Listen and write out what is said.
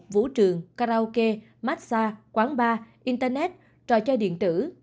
vũ trường karaoke massage quán bar internet trò chơi điện tử